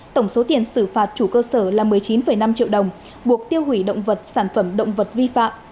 tổng số tiền xử phạt chủ cơ sở là một mươi chín năm triệu đồng buộc tiêu hủy động vật sản phẩm động vật vi phạm